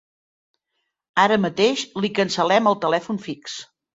Ara mateix li cancel·lem el telèfon fix.